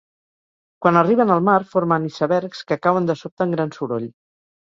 Quan arriben al mar, formen icebergs que cauen de sobte amb gran soroll.